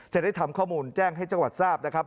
จะได้ทำข้อมูลแจ้งให้จังหวัดทราบนะครับ